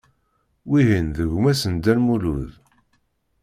Wihin d gma-s n Dda Lmulud.